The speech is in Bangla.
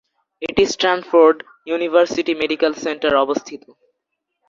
এটি স্ট্যানফোর্ড ইউনিভার্সিটি মেডিকেল সেন্টারে অবস্থিত।